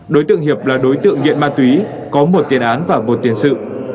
đối tượng hiệp là đối tượng nghiện ma túy có một tiền án và một tiền sự